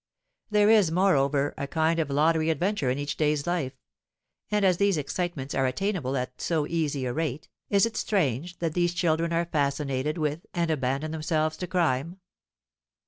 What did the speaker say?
There is, moreover, a kind of lottery adventure in each day's life; and as these excitements are attainable at so easy a rate, is it strange that these children are fascinated with and abandon themselves to crime?